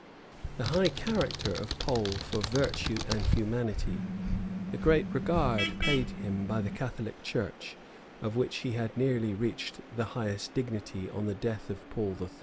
The high character of Pole for virtue and humanity; the great regard paid him by the Catholic church, of which he had nearly reached the highest dignity on the death of Paul III.